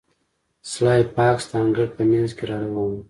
سلای فاکس د انګړ په مینځ کې را روان و